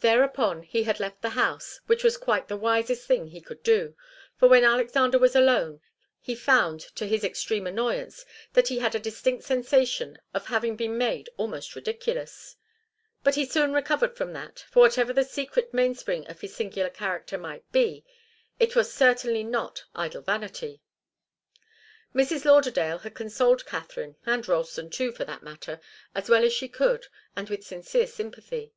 Thereupon he had left the house, which was quite the wisest thing he could do, for when Alexander was alone he found to his extreme annoyance that he had a distinct sensation of having been made almost ridiculous. But he soon recovered from that, for whatever the secret mainspring of his singular character might be, it was certainly not idle vanity. Mrs. Lauderdale had consoled Katharine, and Ralston too, for that matter, as well as she could, and with sincere sympathy.